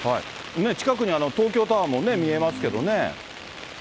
近くに東京タワーも見えますけどね。